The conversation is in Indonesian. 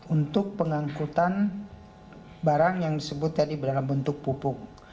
untuk pengangkutan barang yang disebut tadi dalam bentuk pupuk